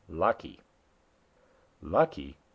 Lucky." Lucky!